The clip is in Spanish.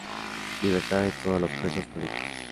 Libertad de todos los presos políticos.